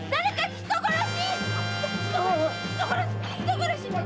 人殺し！